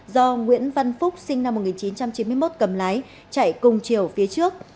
do nguyễn văn phúc sinh năm một nghìn chín trăm chín mươi một cầm lái chạy cùng chiều phía trước